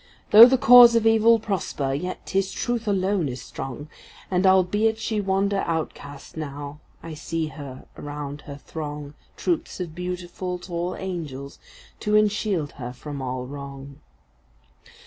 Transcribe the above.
Though the cause of Evil prosper, yet ’tis Truth alone is strong, And, albeit she wander outcast now, I see around her throng Troops of beautiful, tall angels, to enshield her from all wrong.